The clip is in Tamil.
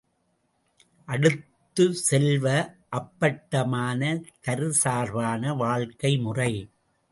அடுத்து செல்வ, அப்பட்டமான தற்சார்பான வாழ்க்கைமுறை.